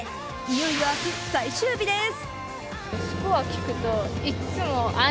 いよいよ明日、最終日です。